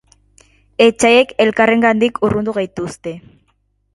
Etsaiek elkarrengandik urrundu gaituzte.